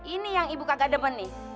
ini yang ibu tidak deman nih